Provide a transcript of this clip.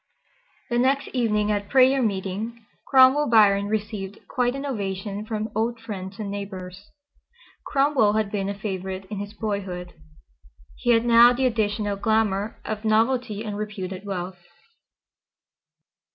The next evening at prayer meeting Cromwell Biron received quite an ovation from old friends and neighbors. Cromwell had been a favorite in his boyhood. He had now the additional glamour of novelty and reputed wealth.